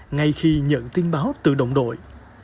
ngay khi nhận tin báo từ đồng đội